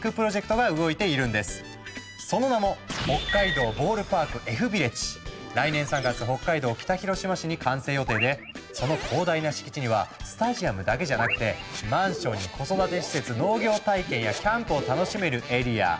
その名も来年３月北海道北広島市に完成予定でその広大な敷地にはスタジアムだけじゃなくてマンションに子育て施設農業体験やキャンプを楽しめるエリア。